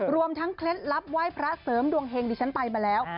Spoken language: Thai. รวมทั้งเคล็ดลับไหว้พระเสริมดวงเฮงดิฉันไปมาแล้ว